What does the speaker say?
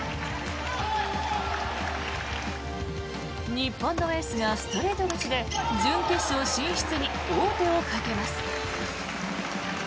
日本のエースがストレート勝ちで準決勝進出に王手をかけます。